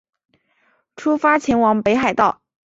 出发前往北海道